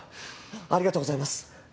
ありがとうございます。